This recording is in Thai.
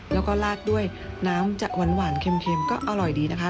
แล้วก็ลาดด้วยน้ำจะหวานเค็มก็อร่อยดีนะคะ